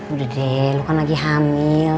udah deh lu kan lagi hamil